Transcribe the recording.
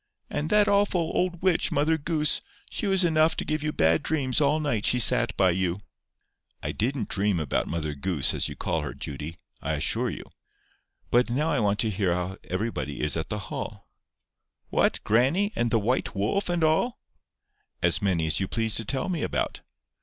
"And that awful old witch, Mother Goose. She was enough to give you bad dreams all night she sat by you." "I didn't dream about Mother Goose, as you call her, Judy. I assure you. But now I want to hear how everybody is at the Hall." "What, grannie, and the white wolf, and all?" "As many as you please to tell me about."